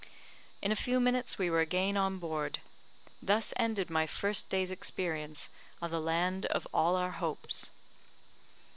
In a few minutes we were again on board. Thus ended my first day's experience of the land of all our hopes.